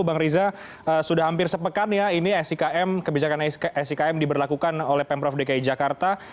bang riza sudah hampir sepekan ya ini sikm kebijakan sikm diberlakukan oleh pemprov dki jakarta